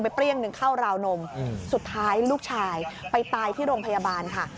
เปรี้ยงหนึ่งเข้าราวนมสุดท้ายลูกชายไปตายที่โรงพยาบาลค่ะ